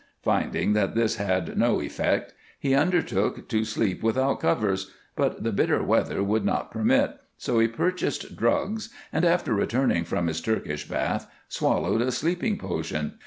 Finding that this had no effect, he undertook to sleep without covers, but the bitter weather would not permit, so he purchased drugs and, after returning from his Turkish bath, swallowed a sleeping potion.